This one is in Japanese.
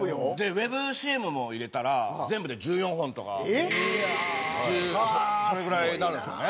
ウェブＣＭも入れたら全部で１４本とかそれぐらいになるんですよね。